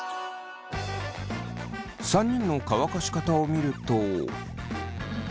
３人の乾かし方を見ると。